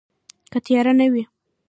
که تیاره نه وي